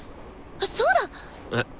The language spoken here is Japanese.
そうだ！え。